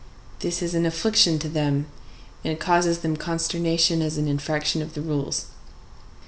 This is an affliction to them, and causes them consternation as an infraction of the rules.